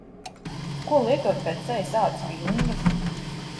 Ko lietot pēc sejas ādas pīlinga?